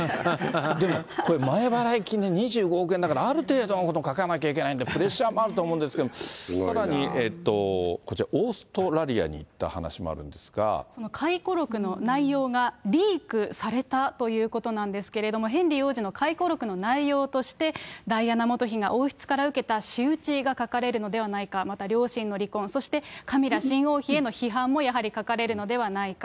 でも、これ、前払い金で２５億円だから、ある程度のことは書かなきゃいけないんで、プレッシャーもあると思うんですけれども、さらにこちら、オーストラリアに行った話もあるんですが、その回顧録の内容がリークされたということなんですけれども、ヘンリー王子の回顧録の内容として、ダイアナ元妃が王室から受けた仕打ちが書かれるのではないか、また両親の離婚、そしてカミラ新王妃への批判もやはり書かれるのではないか。